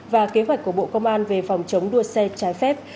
và kế hoạch của bộ công an về phòng chống đua xe trái phép